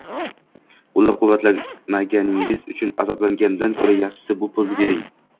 qo‘llab-quvvatlamaganingiz uchun azoblangandan ko‘ra yaxshisi bu pulni bering.